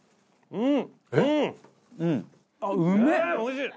うん！